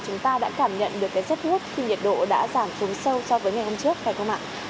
chúng ta đã cảm nhận được cái giấc ngước khi nhiệt độ đã giảm xuống sâu so với ngày hôm trước phải không ạ